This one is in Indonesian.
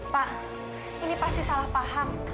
pak ini pasti salah paham